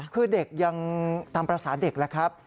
คือเด็กยังตามประสานเด็กล่ะครับ